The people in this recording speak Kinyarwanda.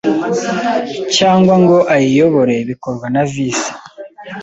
cyangwa ngo ayiyobore bikorwa na Visi